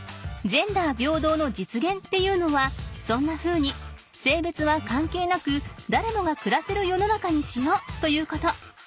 ジェンダー平等のじつげんっていうのはそんなふうにせいべつはかんけいなくだれもがくらせる世の中にしようということ。